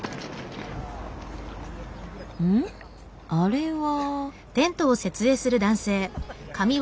うん？あれは。